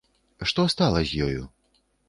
Што стала з ёю?